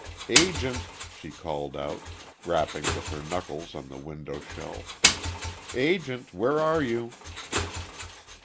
"Agent," she called out, rapping with her knuckles on the window shelf, "Agent,—where are you?"